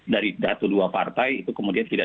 dari satu dua partai itu kemudian tidak